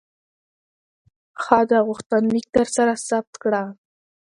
ښه ده، غوښتنلیک درسره ثبت کړه.